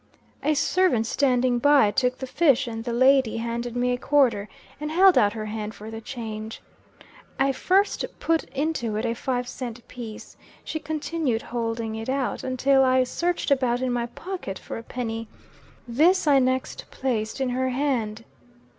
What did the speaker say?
A servant standing by took the fish, and the lady handed me a quarter, and held out her hand for the change. I first put into it a five cent piece. She continued holding it out, until I searched about in ny pocket for a penny. This I next placed in her hand.